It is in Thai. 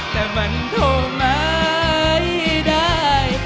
แต่มันโทรมาไม่ได้